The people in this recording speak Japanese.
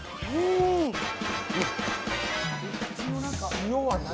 塩は何！？